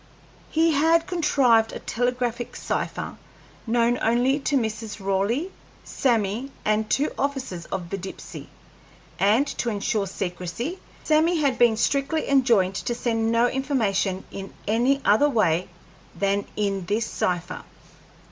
He had contrived a telegraphic cipher, known only to Mrs. Raleigh, Sammy, and two officers of the Dipsey, and, to insure secrecy, Sammy had been strictly enjoined to send no information in any other way than in this cipher.